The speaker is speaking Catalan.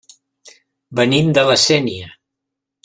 Venim de La Sénia.